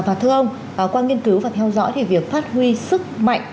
và thưa ông qua nghiên cứu và theo dõi thì việc phát huy sức mạnh